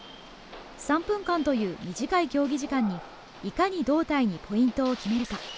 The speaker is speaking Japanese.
３分間という短い競技時間に、いかに胴体にポイントを決めるか。